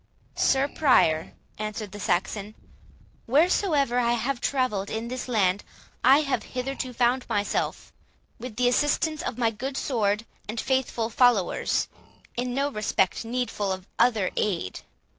"Sir Prior," answered the Saxon, "wheresoever I have travelled in this land, I have hitherto found myself, with the assistance of my good sword and faithful followers, in no respect needful of other aid.